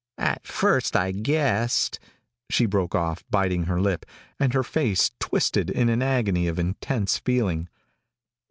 "At first I guessed " She broke off, biting her lip, and her face twisted in an agony of intense feeling.